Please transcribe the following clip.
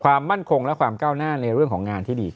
ความมั่นคงและความก้าวหน้าในเรื่องของงานที่ดีขึ้น